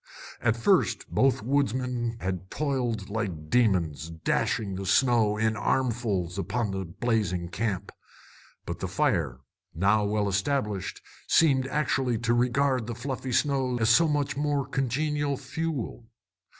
At first both woodsmen had toiled like demons, dashing the snow in armfuls upon the blazing camp; but the fire, now well established, seemed actually to regard the fluffy snow as so much more congenial fuel.